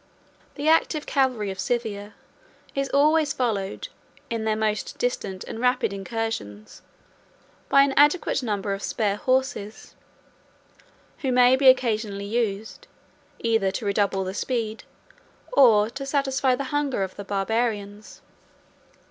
The active cavalry of Scythia is always followed, in their most distant and rapid incursions, by an adequate number of spare horses, who may be occasionally used, either to redouble the speed, or to satisfy the hunger, of the Barbarians.